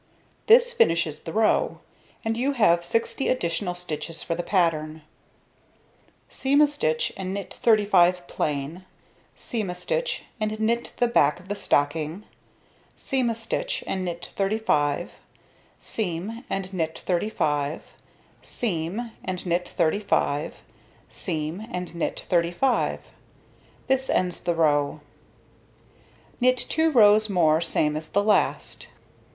This finishes the row; and you have 60 additional stitches for the pattern. Seam a stitch and knit 35 plain, seam a stitch and knit the back of the stocking, seam a stitch and knit 35, seam and knit 35, seam and knit 35, seam and knit 35. This ends the row. Knit 2 rows more same as the last.